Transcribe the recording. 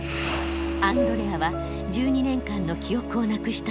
アンドレアは１２年間の記憶をなくしたのです。